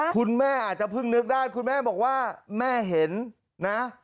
คุณแม่อาจจะเพิ่งนึกได้คุณแม่บอกว่าแม่เห็นนะ